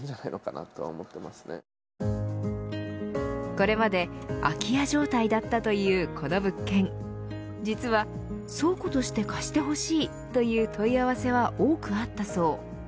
これまで空き家状態だったというこの物件実は倉庫として貸してほしいという問い合わせは多くあったそう。